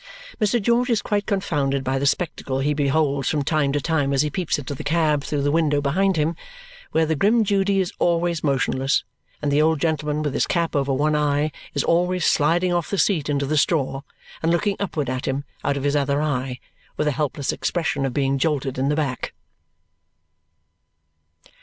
Mr. George is quite confounded by the spectacle he beholds from time to time as he peeps into the cab through the window behind him, where the grim Judy is always motionless, and the old gentleman with his cap over one eye is always sliding off the seat into the straw and looking upward at him out of his other eye with a helpless expression of being jolted in the back.